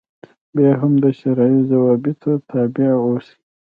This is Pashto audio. بیا هم د شرعي ضوابطو تابع اوسي.